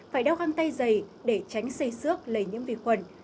phải đeo găng tay dày để tránh xây xước lây nhiễm vi khuẩn